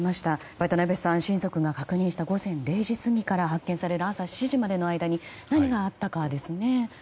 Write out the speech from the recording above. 渡辺さん確認された午前０時過ぎから発見される朝７時までの間に何があったかですね。